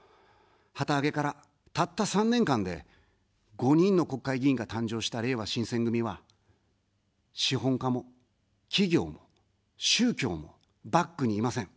旗揚げから、たった３年間で、５人の国会議員が誕生した、れいわ新選組は、資本家も企業も宗教もバックにいません。